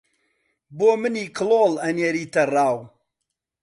بۆ منی کڵۆڵ ئەنێریتە ڕاو